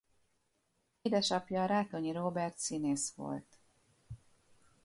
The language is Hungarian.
Édesapja Rátonyi Róbert színész volt.